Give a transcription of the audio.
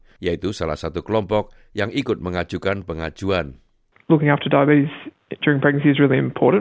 dr matthew he adalah seorang ahli endokrinologi yang berbasis di darwin